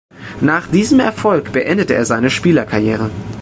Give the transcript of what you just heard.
Nach diesem Erfolg beendete er seine Spielerkarriere.